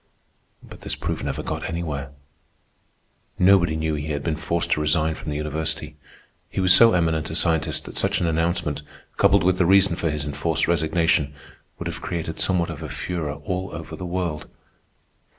But this proof never got anywhere. Nobody knew he had been forced to resign from the university. He was so eminent a scientist that such an announcement, coupled with the reason for his enforced resignation, would have created somewhat of a furor all over the world.